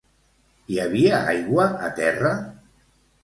Hi havia aigua a terra?